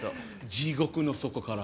地獄の底から。